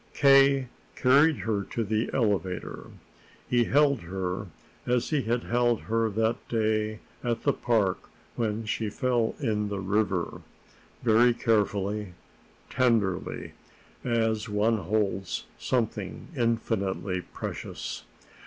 K. carried her to the elevator. He held her as he had held her that day at the park when she fell in the river, very carefully, tenderly, as one holds something infinitely precious.